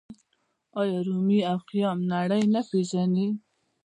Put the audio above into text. آیا رومي او خیام نړۍ نه پیژني؟